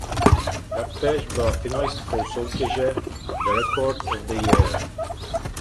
Taktéž byla finalistou soutěže "The Record of the Year".